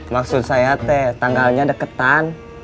maksud saya teh tanggalnya deketan